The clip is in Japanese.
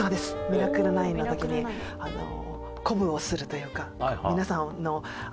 『ミラクル９』の時に鼓舞をするというか皆さんの。